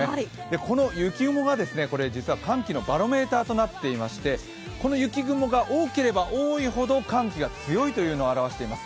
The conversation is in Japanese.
この雪雲が実は寒気のバロメーターとなっていましてこの雪雲が多ければ多いほど寒気が強いというのを示しています。